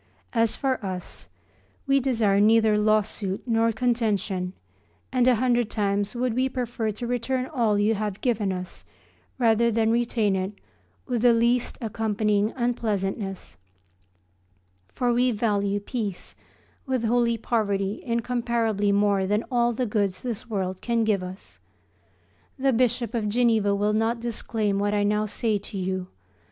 As for us, we desire neither law suit nor contention, and a hundred times would we prefer to return all you have given us rather than retain it with the least accompanying unpleasantness: for we value peace with holy poverty incomparably more than all the goods this world can give us. The Bishop of Geneva will not disclaim what I now say to you.